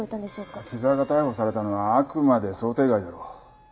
木沢が逮捕されたのはあくまで想定外だろう。